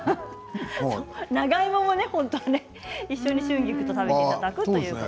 長芋もね、一緒に春菊と食べていただくと。